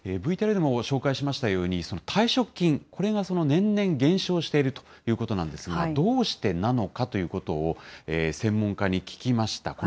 ＶＴＲでもご紹介しましたように、退職金、これが年々減少しているということなんですが、どうしてなのかということを、専門家に聞きました。